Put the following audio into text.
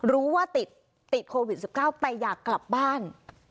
รู้ว่าติดโควิด๑๙แต่อยากกลับบ้าน